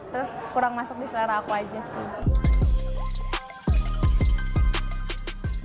terus kurang masuk di selera aku aja sih